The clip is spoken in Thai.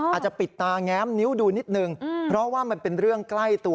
อาจจะปิดตาแง้มนิ้วดูนิดนึงเพราะว่ามันเป็นเรื่องใกล้ตัว